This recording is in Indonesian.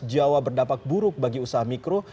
jawa berdampak buruk bagi usaha mikro